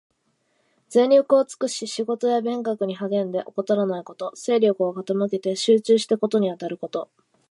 全力を尽くし仕事や勉学に励んで、怠らないこと。精力を傾けて集中して事にあたること。